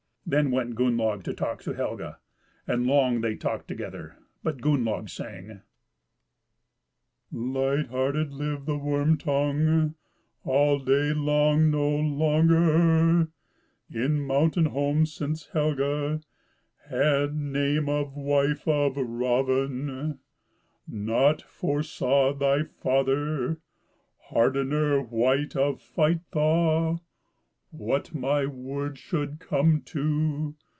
Then went Gunnlaug to talk to Helga, and long they talked together: but Gunnlaug sang: "Light heart lived the Worm tongue All day long no longer In mountain home, since Helga Had name of wife of Raven; Nought foresaw thy father, Hardener white of fight thaw, What my words should come to.